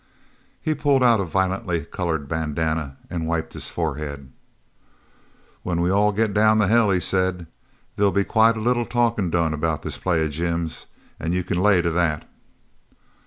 He pulled out a violently coloured bandana and wiped his forehead. "When we all get down to hell," he said, "they'll be quite a little talkin' done about this play of Jim's you c'n lay to that."